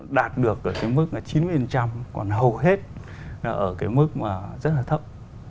đạt được ở cái mức là chín mươi còn hầu hết là ở cái mức mà rất là thấp